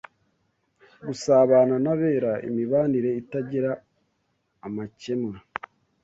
Gusabana n’abera, imibanire itagira amakemwa